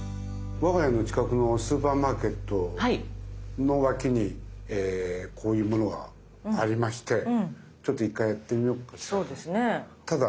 我が家の近くのスーパーマーケットの脇にこういうものがありましてちょっと１回やってみようかなと。